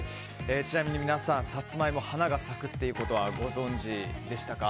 ちなみに皆さんサツマイモ、花が咲くということはご存知でしたか？